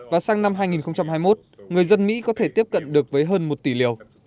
và sang năm hai nghìn hai mươi một người dân mỹ có thể tiếp cận được với hơn một tỷ liều